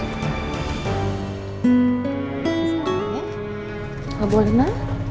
gak boleh na